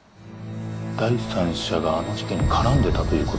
第三者があの事件に絡んでたということか